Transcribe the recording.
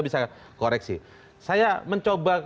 bisa koreksi saya mencoba